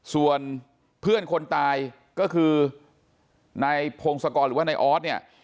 ส่วนเพื่อนคนตายก็คือนายพงศกรหรือว่านายออสเนี่ย